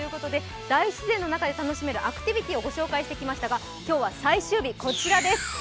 大自然の中で楽しめるアクティビティーをご紹介してきましたが、今日は最終日、こちらです